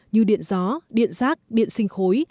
như điện gió điện rác điện sinh khối